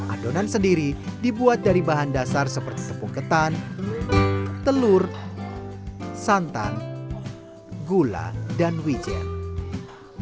adonan sendiri dibuat dari bahan dasar seperti tepung ketan telur santan gula dan wijen